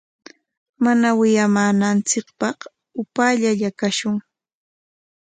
Mana wiyamananchikpaq upaallalla kashun.